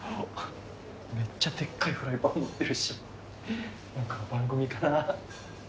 めっちゃでっかいフライパン持ってるし何かの番組かな。